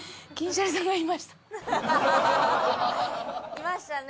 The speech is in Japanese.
いましたね。